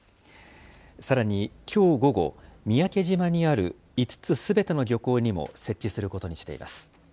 さらにきょう午後、三宅島にある５つすべての漁港にも設置することにしています。